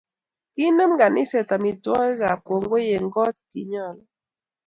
Kinem kaniset amitwokik ab kongoi eng kot chinyalu